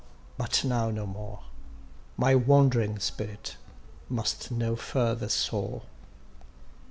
—but now no more, My wand'ring spirit must no further soar.